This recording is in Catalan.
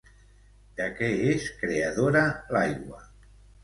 De què és creadora l'aigua?